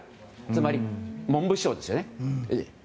つまり文部省ですよね。